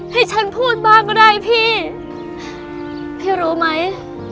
ให้ฉันพูดบ้างก็ได้พี่พี่รู้ไหม